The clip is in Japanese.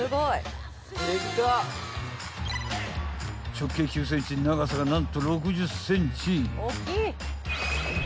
［直径９ｃｍ長さが何と６０ｃｍ］